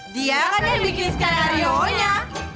dia kan yang bikin skenario nya